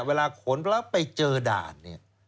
เวลาขนแล้วไปเจอด่านเนี่ย